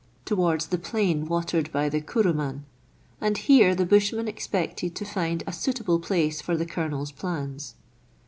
^^ towards the plain watered by the Kuruman, and here the bushman expected to find a suitable place for the Colonel's plans.